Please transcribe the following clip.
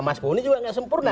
mas boni juga nggak sempurna